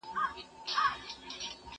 زه مخکي کتابتون ته تللي وو،